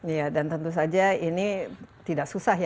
iya dan tentu saja ini tidak susah ya